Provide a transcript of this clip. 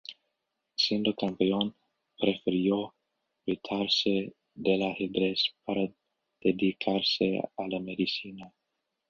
Siendo campeón prefirió retirarse del ajedrez para dedicarse a la medicina.